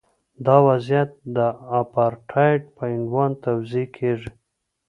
دا وضعیت د اپارټایډ په عنوان توصیف کیږي.